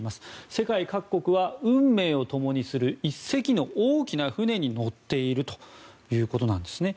世界各国は運命を共にする１隻の大きな船に乗っているということなんですね。